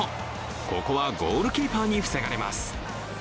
ここはゴールキーパーに防がれます。